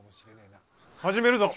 始めるぞ。